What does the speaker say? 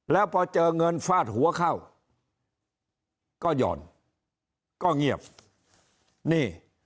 แล้วพอเจอเงินฟาดหัวเข้าก็หย่อนก็เงียบนี่